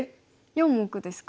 四目ですか？